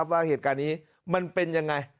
ว่าเหตุการณ์นี้มันเป็นยังไง